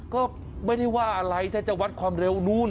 ก็ไม่ได้ว่าอะไรถ้าจะวัดความเร็วนู้น